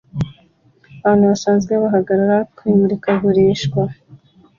Abantu basanzwe bahagarara kumurikagurisha